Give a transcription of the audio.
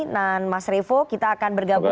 dan mas revo kita akan bergabung